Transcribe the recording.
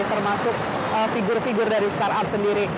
termasuk figur figur dari startup sendiri